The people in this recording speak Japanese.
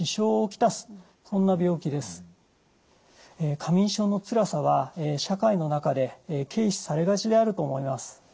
過眠症のつらさは社会の中で軽視されがちであると思います。